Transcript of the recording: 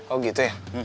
oh gitu ya